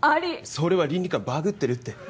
それは倫理観バグってるって。